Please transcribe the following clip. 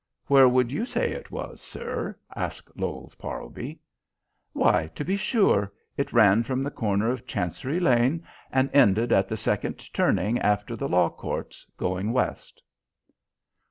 "Where would you say it was, sir?" asked Lowes Parlby. "Why to be sure, it ran from the corner of Chancery Lane and ended at the second turning after the Law Courts, going west."